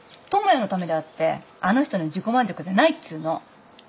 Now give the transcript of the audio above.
智也のためであってあの人の自己満足じゃないっつうの。